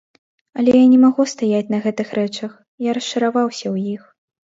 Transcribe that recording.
Але я не магу стаяць на гэтых рэчах, я расчараваўся ў іх.